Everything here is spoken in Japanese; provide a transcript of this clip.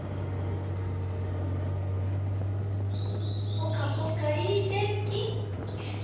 ぽかぽかいいてんき。